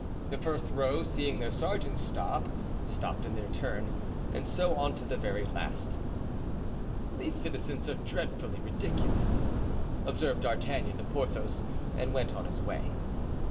The first row, seeing their sergeant stop, stopped in their turn, and so on to the very last. "These citizens are dreadfully ridiculous," observed D'Artagnan to Porthos and went on his way.